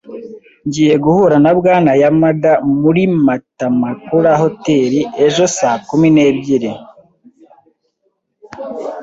Ngiye guhura na Bwana Yamada muri Matamaakura Hotel ejo saa kumi n'ebyiri.